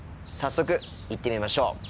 早速行ってみましょう。